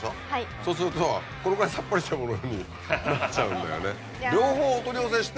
そうするとこのくらいさっぱりしたものになっちゃうんだよね。